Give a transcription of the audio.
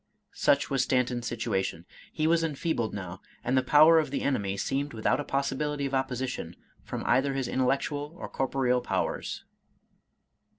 Such was Stanton's situation. He was enfeebled now, and the power of the enemy seemed without a possibility of opposition from either his intellectual or corporeal powers.